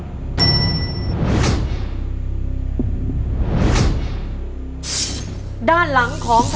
คุณยายแจ้วเลือกตอบจังหวัดนครราชสีมานะครับ